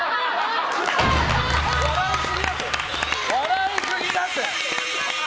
笑いすぎだって！